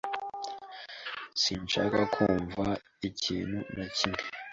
Sinshaka kumva ikintu na kimwe